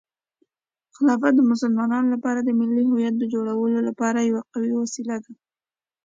خلافت د مسلمانانو لپاره د ملي هویت د جوړولو لپاره یوه قوي وسیله ده.